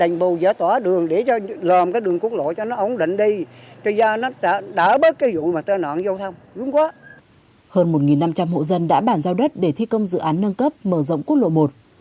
hơn một năm trăm linh hộ dân đã bản giao đất để thi công dự án nâng cấp mở rộng quốc lộ một